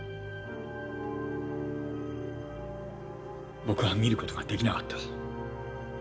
僕は見る事ができなかった。